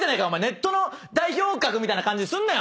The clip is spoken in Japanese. ネットの代表格みたいな感じすんなよ！